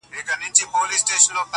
• ځلېدل یې د لمر وړانګو کي موجونه -